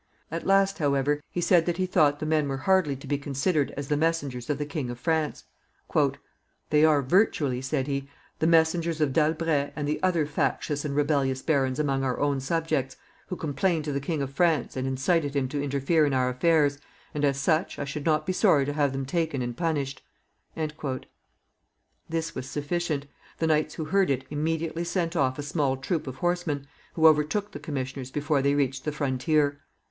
At last, however, he said that he thought the men were hardly to be considered as the messengers of the King of France. "They are virtually," said he, "the messengers of D'Albret and the other factious and rebellious barons among our own subjects, who complained to the King of France and incited him to interfere in our affairs, and, as such, I should not be sorry to have them taken and punished." This was sufficient. The knights who heard it immediately sent off a small troop of horsemen, who overtook the commissioners before they reached the frontier.